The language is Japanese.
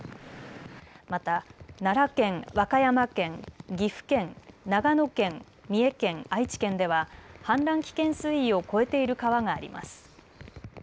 また奈良県、和歌山県、岐阜県長野県、三重県、愛知県では氾濫危険水位を超えている川があります。